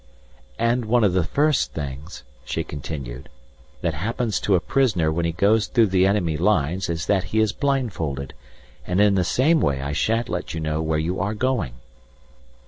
"And one of the first things," she continued, "that happens to a prisoner when he goes through the enemy lines is that he is blindfolded, and in the same way I shan't let you know where you are going."